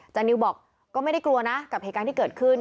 นิวบอกก็ไม่ได้กลัวนะกับเหตุการณ์ที่เกิดขึ้น